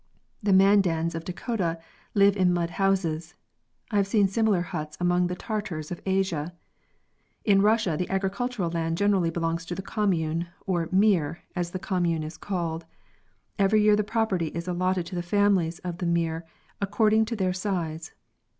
The Mandans of Dakota lived in mud houses. I have seen similar huts among the Tatars of Asia. In Russia the agricultural land generally belongs to the commune, or mir, as the commune is called. Every year the property is allotted to the families of the mir according to their size.